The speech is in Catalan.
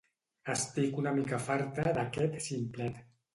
Estic una mica farta d'aquest ximplet